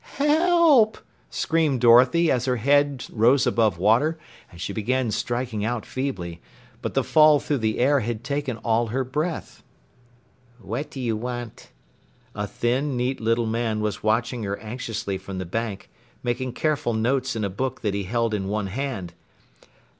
"Help!" screamed Dorothy as her head rose above water, and she began striking out feebly. But the fall through the air had taken all her breath. "What do you want?" A thin, neat little man was watching her anxiously from the bank, making careful notes in a book that he held in one hand.